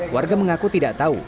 warga mengaku tidak tahu